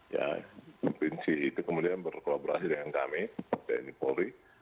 ya provinsi itu kemudian berkolaborasi dengan kami tni polri